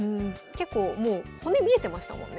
結構もう骨見えてましたもんね